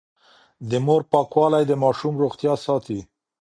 د مور پاکوالی د ماشوم روغتيا ساتي.